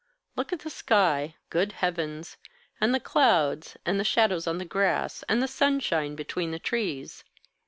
Look at the sky good heavens! and the clouds, and the shadows on the grass, and the sunshine between the trees.